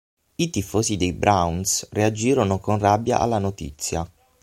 I tifosi dei Browns reagirono con rabbia alla notizia.